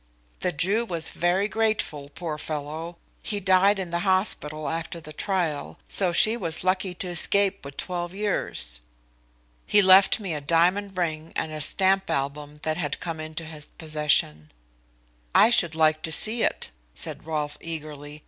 "The Jew was very grateful, poor fellow. He died in the hospital after the trial, so she was lucky to escape with twelve years. He left me a diamond ring and a stamp album that had come into his possession." "I should like to see it," said Rolfe eagerly.